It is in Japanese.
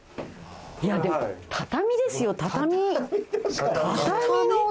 いやでも畳ですよ畳。